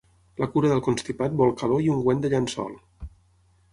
La cura del constipat vol calor i ungüent de llençol.